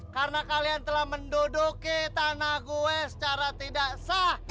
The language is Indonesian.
karena kalian telah menduduki tanah gue secara tidak sah